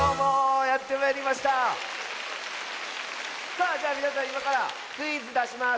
さあじゃあみなさんいまからクイズだします。